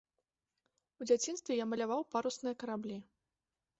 У дзяцінстве я маляваў парусныя караблі.